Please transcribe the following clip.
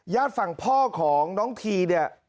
ญาติฝังพ่อของน้องที่